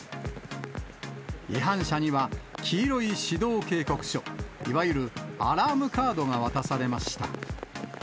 違反者には、黄色い指導警告書、いわゆるアラームカードが渡されました。